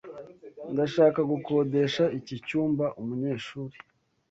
Ndashaka gukodesha iki cyumba umunyeshuri.